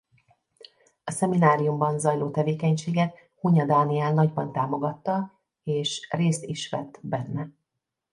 A szemináriumban zajló tevékenységet Hunya Dániel nagyban támogatta és részt is vett benne.